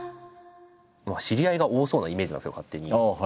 知り合いが多そうなイメージなんですけど勝手に。